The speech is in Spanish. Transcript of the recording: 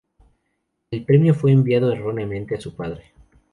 El premio fue enviado erróneamente a su padre.